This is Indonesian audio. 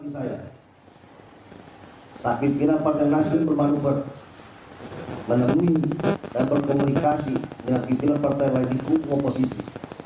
saya pimpinan partai nasdem bermanuver menemui dan berkomunikasi dengan pimpinan partai wadiku oposisi